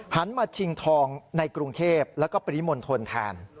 หันมาชิงทองในกรุงเทพแล้วก็ปริมณฑลแทน